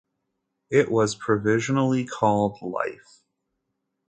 It was provisionally called "Life".